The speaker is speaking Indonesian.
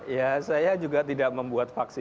ya saya juga tidak membuat faksi